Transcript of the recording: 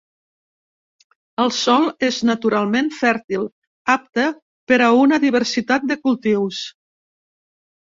El sòl és naturalment fèrtil, apte per a una diversitat de cultius.